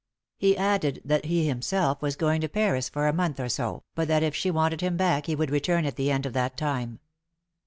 He added that he himself was going to Paris for a month or so, but that if she wanted him back he would return at the end of that time.